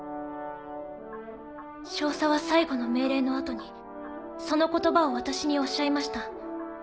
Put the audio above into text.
少佐は最後の命令の後にその言葉を私におっしゃいました。